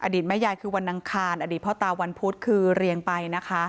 ตแม่ยายคือวันอังคารอดีตพ่อตาวันพุธคือเรียงไปนะคะ